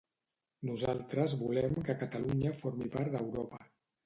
Nosaltres volem que Catalunya formi part d'Europa.